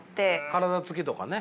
体つきとかね。